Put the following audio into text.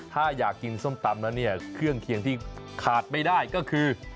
ถ้าอยากกินส้มตำแล้วเนี่ยเครื่องเคียงที่ขาดไม่ได้ก็คือ